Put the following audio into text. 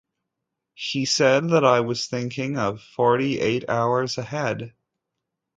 He said that I was thinking of forty eight hours ahead.